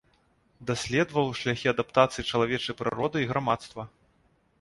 Даследаваў шляхі адаптацыі чалавечай прыроды і грамадства.